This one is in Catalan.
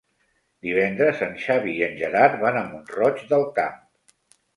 Divendres en Xavi i en Gerard van a Mont-roig del Camp.